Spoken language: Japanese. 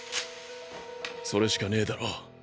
それしかねぇだろ？